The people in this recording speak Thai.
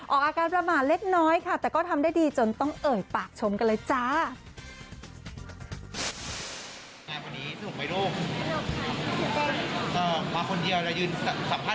ออกอาการประมาทเล็กน้อยค่ะแต่ก็ทำได้ดีจนต้องเอ่ยปากชมกันเลยจ้า